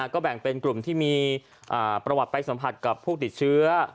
ก็แบ่งเป็นกลุ่มที่มีประวัติไปสัมผัสกับผู้ติดเชื้อ